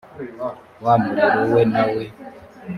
wa muriro we nawe